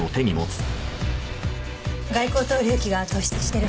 外後頭隆起が突出してる